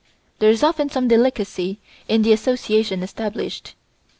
There is often some delicacy in the association established.